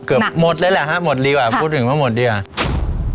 เกือบหมดเลยแหละฮะหมดดีกว่าพูดถึงว่าหมดดีกว่า